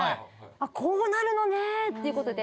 あっこうなるのねっていうことで。